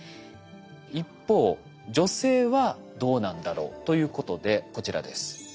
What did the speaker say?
一方女性はどうなんだろうということでこちらです。